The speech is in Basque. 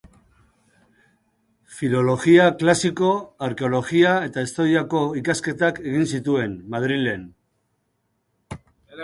Filologia klasiko, arkeologia eta historiako ikasketak egin zituen, Madrilen.